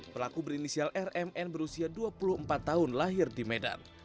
pelaku berinisial rmn berusia dua puluh empat tahun lahir di medan